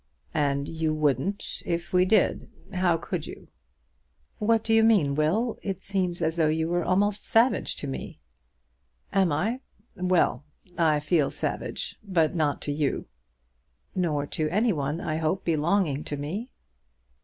"And you wouldn't if we did. How could you?" "What do you mean, Will? It seems as though you were almost savage to me." "Am I? Well; I feel savage, but not to you." "Nor to any one, I hope, belonging to me."